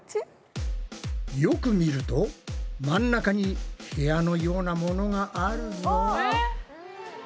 よく見ると真ん中に部屋のようなものがあるぞ。